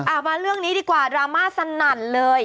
มาเรื่องนี้ดีกว่าดราม่าสนั่นเลย